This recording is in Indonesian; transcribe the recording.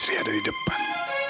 sri ada di depan